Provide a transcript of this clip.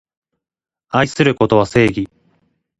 愛することは正義